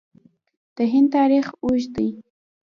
د هند تاریخ اوږد دی.